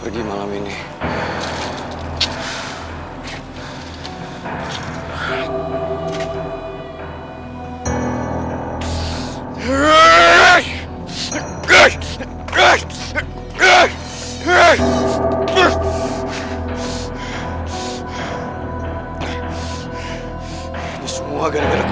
kita ini satu darah